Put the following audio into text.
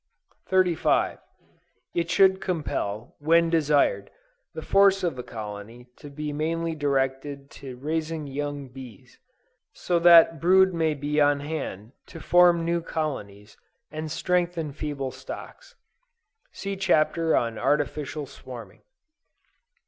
35. It should compel, when desired, the force of the colony to be mainly directed to raising young bees; so that brood may be on hand to form new colonies, and strengthen feeble stocks. (See Chapter on Artificial Swarming.)